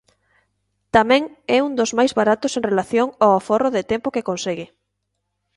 Tamén é un dos máis baratos en relación ao aforro de tempo que consegue.